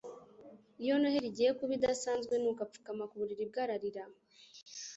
iyo noheri igiye kuba idasanzwe, nuko apfukama ku buriri bwe ararira